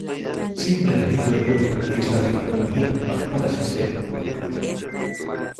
Siempre teniendo en cuenta que esta cifra varia para cada sistema en concreto.